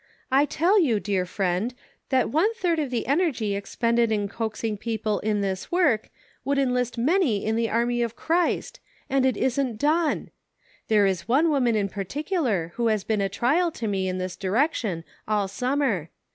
I tell you, dear friend, that one third of the energy expended in coaxing people in this work, would enlist many in the army of Christ ; and it isn't done ! There is one woman in particular, who has been a trial to me in this direction, all summer.